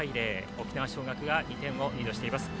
沖縄尚学が２点をリードしています。